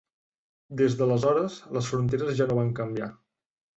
Des d'aleshores, les fronteres ja no van canviar.